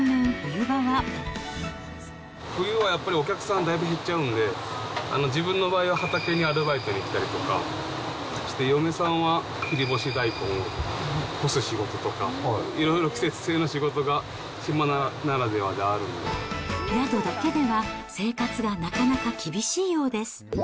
冬はやっぱりお客さん、だいぶ減っちゃうんで、自分の場合は畑にアルバイトに行ったりとかして、嫁さんは切り干し大根を干す仕事とか、いろいろ季節性の仕事が、宿だけでは生活がなかなか厳しいようです。